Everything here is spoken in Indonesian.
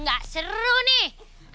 nggak seru nih